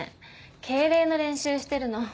敬礼の練習してるの。